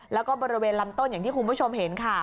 แล้วก็บริเวณลำต้นอย่างที่คุณผู้ชมเห็นค่ะ